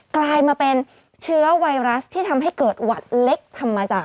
กลายมาเป็นเชื้อไวรัสที่ทำให้เกิดหวัดเล็กธรรมดา